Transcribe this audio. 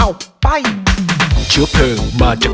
น้ำมันเชื้อเพลิงเอ๊ะคือ